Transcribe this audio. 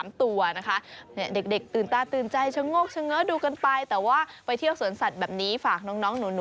มันใช่เหรอมันใช่สิคุณ